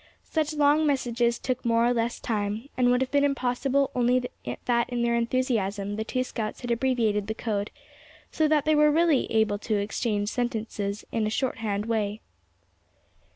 Such long messages took more or less time, and would have been impossible only that in their enthusiasm the two scouts had abbreviated the code, so that they were able to really exchange sentences in a short hand way.